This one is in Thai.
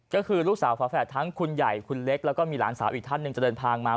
ก็คือลูกสาวฝาแฝดทั้งคุณใหญ่คุณเล็กแล้วก็มีหลานสาวอีกท่านหนึ่งจะเดินทางมา